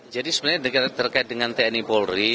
jadi sebenarnya negara terkait dengan tni polri